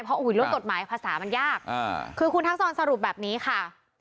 เพราะรถกฎหมายภาษามันยากคือคุณทักษรสรุปแบบนี้ค่ะ